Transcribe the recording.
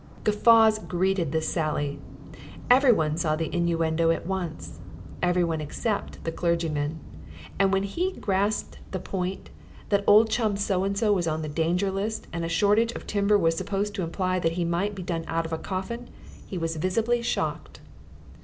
Guffaws greeted this sally. Everyone saw the innuendo at once everyone except the clergyman, and when he grasped the point, that Ol' Chum So and So was on the Danger List and a shortage of timber was supposed to imply that he might be done out of a coffin, he was visibly shocked.